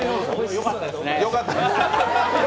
よかったですね。